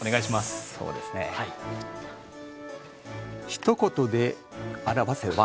ひと言で表せば。